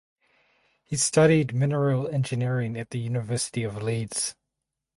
He studied Mineral Engineering at the University of Leeds.